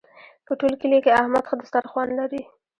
په ټول کلي کې احمد ښه دسترخوان لري.